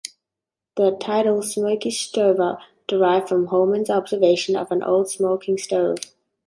The title "Smokey Stover" derived from Holman's observation of an old smoking stove.